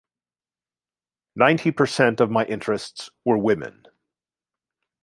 Ninety percent of my interests were women.